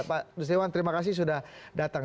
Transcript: pak nusriwan terima kasih sudah datang